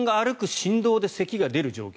振動でせきが出る状況